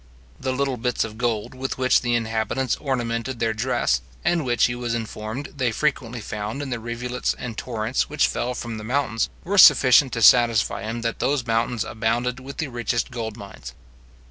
The little bits of gold with which the inhabitants ornamented their dress, and which, he was informed, they frequently found in the rivulets and torrents which fell from the mountains, were sufficient to satisfy him that those mountains abounded with the richest gold mines.